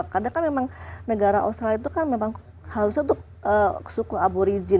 karena kan memang negara australia itu kan memang harusnya untuk suku aborigin